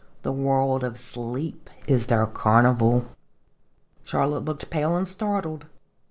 The world of sleep is their carnival." Charlotte looked pale and startled.